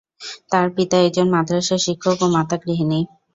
তার পিতা একজন মাদ্রাসা শিক্ষক ও মাতা গৃহিণী।